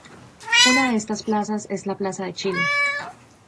Una de estas plazas es la Plaza Chile.